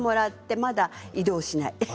まだ移動しない。